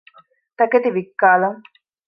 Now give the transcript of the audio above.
ތަކެތި ވިއްކާލަން